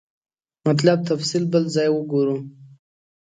مطلب تفصیل بل ځای وګورو.